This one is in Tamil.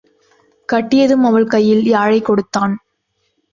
கட்டியதும் அவள் கையில் யாழைக் கொடுத்தான்.